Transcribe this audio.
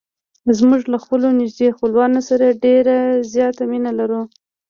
موږ له خپلو نږدې خپلوانو سره ډېره زیاته مینه لرو.